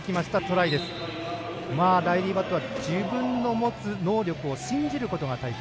ライリー・バットは自分の持つ能力を信じることが大切。